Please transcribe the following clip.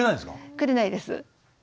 くれないです。